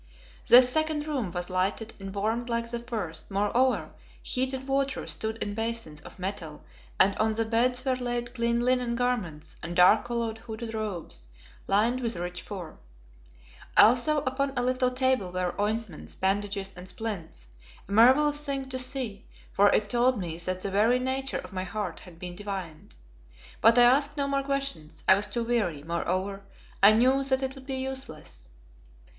This second room was lighted and warmed like the first, moreover, heated water stood in basins of metal and on the beds were laid clean linen garments and dark coloured hooded robes, lined with rich fur. Also upon a little table were ointments, bandages, and splints, a marvellous thing to see, for it told me that the very nature of my hurt had been divined. But I asked no more questions; I was too weary; moreover, I knew that it would be useless.